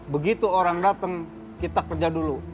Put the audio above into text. begitu orang datang kita kerja dulu